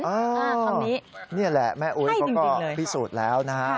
อ้าวตรงนี้ให้จริงเลยนี่แหละแม่อุ๊ยก็ก็พิสูจน์แล้วนะ